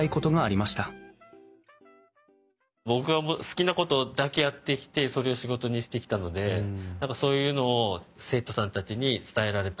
僕が好きなことだけやってきてそれを仕事にしてきたので何かそういうのを生徒さんたちに伝えられたらいいなあと思いながら。